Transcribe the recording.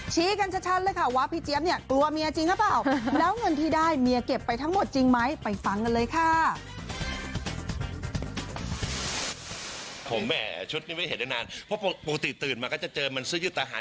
ชี้กันชะชันเลยค่ะว่าพี่เจี๊ยบเนี่ยกลัวเมียจริงหรือเปล่า